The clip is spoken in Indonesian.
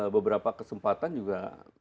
beberapa kesempatan juga